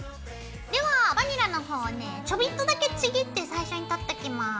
ではバニラの方をねちょびっとだけちぎって最初にとっておきます。